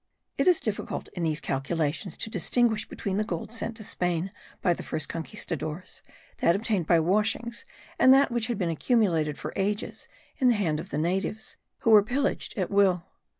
It is difficult, in these calculations, to distinguish between the gold sent to Spain by the first Conquistadores, that obtained by washings, and that which had been accumulated for ages in the hands of the natives, who were pillaged at will.